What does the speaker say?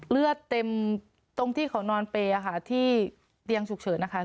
เลือดเต็มตรงที่เขานอนเปย์ค่ะที่เตียงฉุกเฉินนะคะ